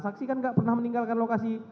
saksi kan nggak pernah meninggalkan lokasi